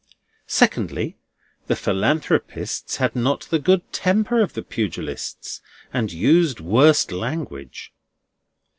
Secondly, the Philanthropists had not the good temper of the Pugilists, and used worse language.